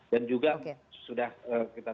dan juga sudah kita